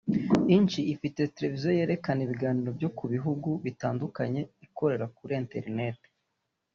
Inc ifite televiziyo yerekana ibiganiro byo mu bihugu bitandukanye ikorera kuri internet